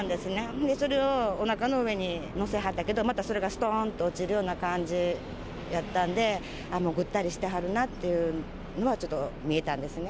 ほんでそれをおなかの上に載せはったけど、またそれがすとーんと落ちるような感じやったんで、もうぐったりしてはるなっていうのはちょっと見えたんですね。